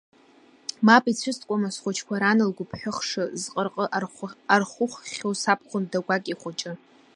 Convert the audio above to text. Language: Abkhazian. Мап ицәыскуама схәыҷқәа ран лгәыԥҳәыхш зҟырҟы архәыхәхьоу сабхәында гәакьа ихәыҷы.